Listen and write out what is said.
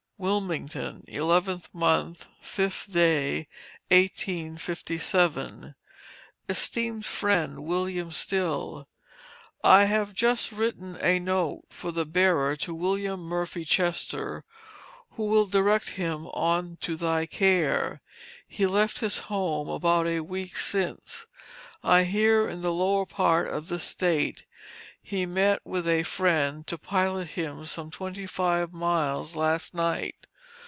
WILMINGTON, 11th mo., 5th, 1857. ESTEEMED FRIEND, WILLIAM STILL: I have just written a note for the bearer to William Murphy Chester, who will direct him on to thy care; he left his home about a week since. I hear in the lower part of this State, he met with a friend to pilot him some twenty five miles last night.